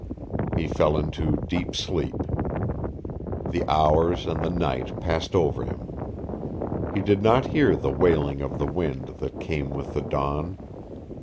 He fell into deep sleep. The hours and the night passed over him. He did not hear the wailing of the wind that came with the dawn.